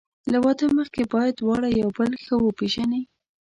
له واده مخکې باید دواړه یو بل ښه وپېژني.